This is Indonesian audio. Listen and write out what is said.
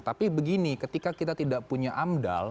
tapi begini ketika kita tidak punya amdal